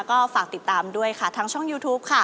ก็ฝากติดตามด้วยค่ะทางช่องยูทูปค่ะ